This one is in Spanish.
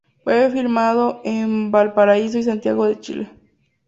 Fue filmado en Valparaíso y Santiago de Chile.